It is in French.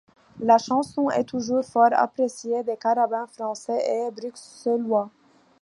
La chanson est toujours fort appréciée des carabins français et bruxellois.